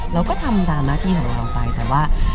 เราก็ทำตามหน้าที่ของเราไปแต่ว่า